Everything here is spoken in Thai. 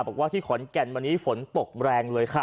บอกว่าที่ขอนแก่นวันนี้ฝนตกแรงเลยค่ะ